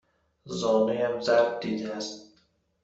زانویم ضرب دیده است.